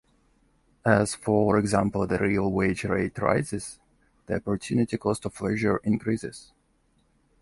As, for example, the real wage rate rises the opportunity cost of leisure increases.